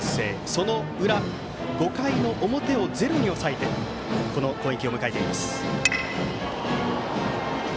その裏、５回の表をゼロに抑えてこの攻撃を迎えています。